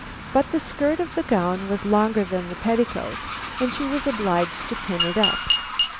But the skirt of the gown was longer than the petticoat and she was obliged to pin it up.